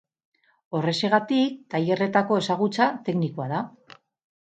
Horrexegatik, tailerretako ezagutza teknikoa da.